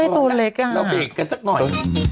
แล้วเด็กกันสักหน่อย